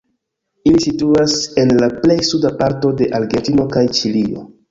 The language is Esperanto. Ili situas en la plej suda parto de Argentino kaj Ĉilio.